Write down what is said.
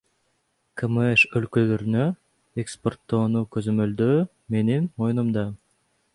КМШ өлкөлөрүнө экспорттоону көзөмөлдөө менин моюнумда.